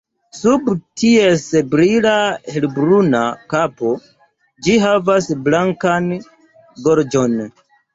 Sub ties brila helbruna kapo, ĝi havas blankan gorĝon.